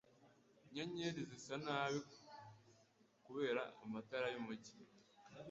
Inyenyeri zisa nabi kubera amatara yumujyi.